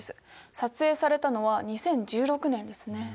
撮影されたのは２０１６年ですね。